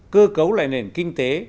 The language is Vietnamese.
cơ cấu lại nền kinh tế